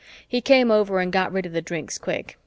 He came over and got rid of the drinks quick.